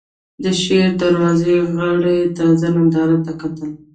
د شېر دروازې غره تازه نندارې ته کتل.